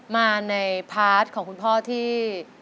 มาในพาร์ทของคุณพ่อที่